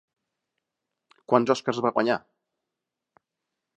Quants Oscars va guanyar?